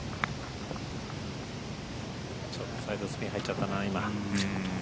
ちょっとサイドスピン入っちゃったな、今。